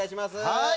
はい！